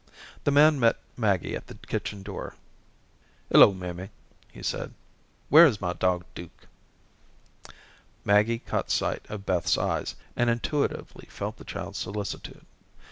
The man met Maggie at the kitchen door. "Hello, mammy," he said. "Where is my dog Duke?" Maggie caught sight of Beth's eyes, and intuitively felt the child's solicitude.